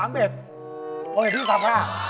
เฮ่ยพี่ซักผ้า